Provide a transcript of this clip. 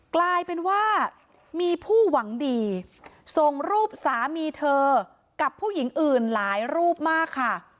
กลายเป็นว่ามีผู้หวังดีส่งรูปสามีเธอกับผู้หญิงอื่นหลายรูปมากค่ะ